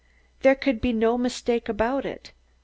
There could be no mistake about it.